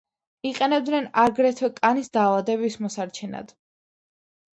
იყენებენ აგრეთვე კანის დაავადებების მოსარჩენად.